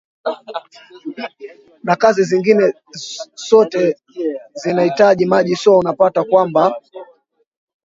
na kazi zingine sote zinaitaji maji so unapata kwamba